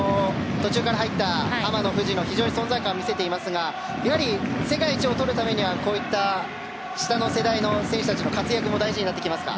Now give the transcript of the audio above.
途中から入った浜野と藤野非常に存在感を見せていますが世界一をとるためにはこういった下の世代の選手たちの活躍も大事になってきますか。